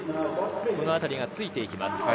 このあたりがついて行きます。